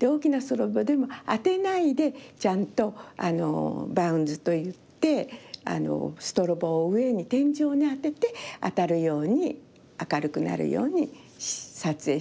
大きなストロボでも当てないでちゃんとバウンスといってストロボを上に天井に当てて当たるように明るくなるように撮影したんですけれども。